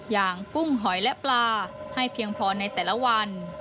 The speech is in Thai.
กุ้งหอยและปลาให้เพียงพอในแต่ละวัน